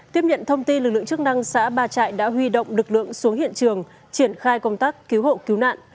tiếp nhận thông tin lực lượng chức năng xã ba trại đã huy động lực lượng xuống hiện trường triển khai công tác cứu hộ cứu nạn